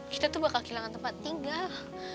kita tuh bakal kehilangan tempat tinggal